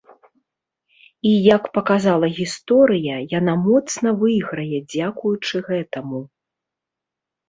І, як паказала гісторыя, яна моцна выйграе дзякуючы гэтаму.